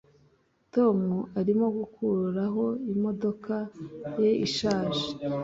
tom arimo gukuraho imodoka ye ishaje